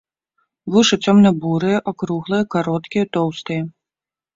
Вушы цёмна-бурыя, акруглыя, кароткія, тоўстыя.